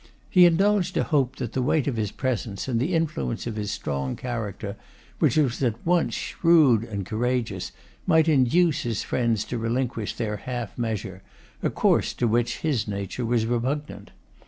He indulged a hope that the weight of his presence and the influence of his strong character, which was at once shrewd and courageous, might induce his friends to relinquish their half measure, a course to which his nature was repugnant.